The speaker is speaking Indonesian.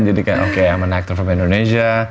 jadi kayak okay i'm an actor from indonesia